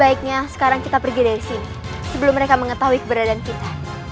kita harus pergi dari sini sebelum mereka mengetahui keberadaan kita